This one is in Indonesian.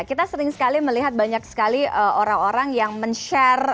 kita sering sekali melihat banyak sekali orang orang yang men share